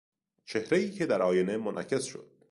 چهرهای که در آینه منعکس شد